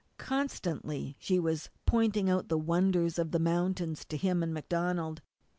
Constantly she was pointing out the wonders of the mountains to him and MacDonald.